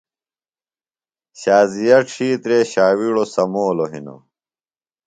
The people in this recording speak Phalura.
شازیہ ڇِھیترے شاوِیڑوۡ سمولوۡ ہنوۡ۔